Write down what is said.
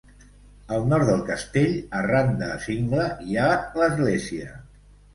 Al nord del castell, arran de cingle, hi ha l'església.